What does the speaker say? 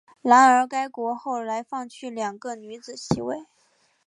然而该国后来放弃了两个女子席位。